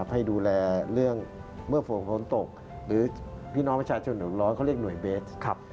ให้ดูแลเรื่องเมื่อฝนฝนตกหรือพี่น้องประชาชนหนูร้อนเขาเรียกหน่วยเบส